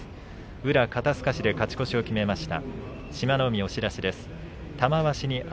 宇良、肩すかしで勝ち越しを決めました。